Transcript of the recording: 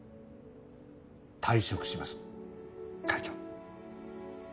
退職します会長。